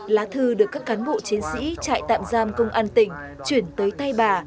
lá thư được các cán bộ chiến sĩ trại tạm giam công an tỉnh chuyển tới tay bà